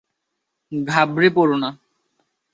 ঘাবড়ে পড়ো না।